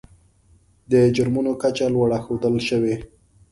د جرمونو کچه لوړه ښودل شوې.